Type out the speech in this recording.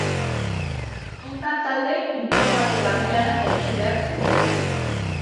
Hainbat taldek informatika gelara jaitsi behar zuten.